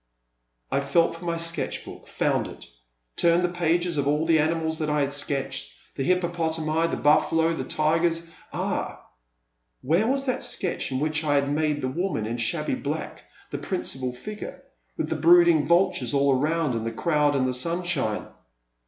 I felt for my sketch block, found it; turned the pages of all the animals that I had sketched, the hippopotami, the bufficdo, the tigers — ah ! where was that sketch in whigh I had made the woman in shabby black the. principal figure, with the brooding vultures all around and the crowd in the sunshine —